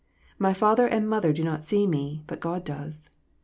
" My father and mother do not see me, but God does."